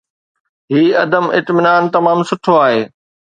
هي عدم اطمينان تمام سٺو آهي.